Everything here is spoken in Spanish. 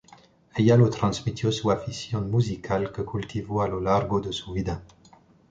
Ella le transmitió su afición musical, que cultivó a lo largo de su vida.